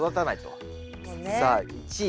さあ１位。